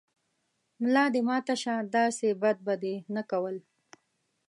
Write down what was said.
ملا دې ماته شۀ، داسې بد به دې نه کول